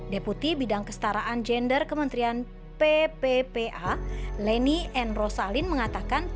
deputi bidang kestaraan gender kementerian pppa leni n rosalin mengatakan